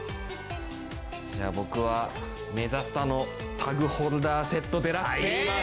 じゃあ僕はメザスタのタグホルダーセットデラックスいきます。